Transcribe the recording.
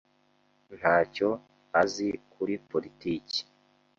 Ntacyo azi kuri politiki.